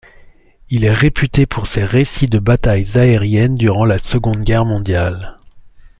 Il est réputé pour ses récits de batailles aériennes durant la Seconde Guerre mondiale.